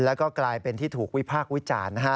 แล้วก็กลายเป็นที่ถูกวิพากษ์วิจารณ์นะฮะ